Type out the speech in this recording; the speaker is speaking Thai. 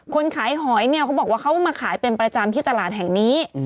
คนขายหอยเนี่ยเขาบอกว่าเขามาขายเป็นประจำที่ตลาดแห่งนี้